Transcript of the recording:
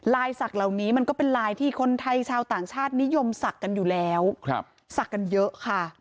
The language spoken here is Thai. ศักดิ์เหล่านี้มันก็เป็นลายที่คนไทยชาวต่างชาตินิยมศักดิ์กันอยู่แล้วศักดิ์กันเยอะค่ะ